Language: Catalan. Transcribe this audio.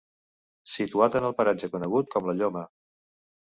Situat en el paratge conegut com La Lloma.